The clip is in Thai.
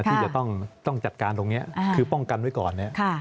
ที่จะต้องจัดการตรงนี้คือป้องกันไว้ก่อนเนี่ย